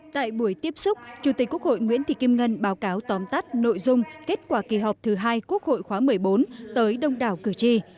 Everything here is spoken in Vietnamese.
tại buổi tiếp xúc chủ tịch quốc hội nguyễn thị kim ngân báo cáo tóm tắt nội dung kết quả kỳ họp thứ hai quốc hội khóa một mươi bốn tới đông đảo cử tri